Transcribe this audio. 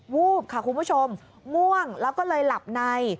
วูบค่ะคุณผู้ชมง่วงแล้วก็เลยหลับใน